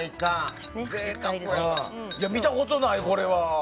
見たことない、これは。